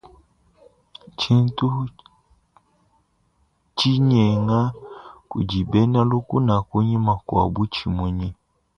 Tshintu tshinyenga kudi bena lukuna kunyima kua butshimunyi.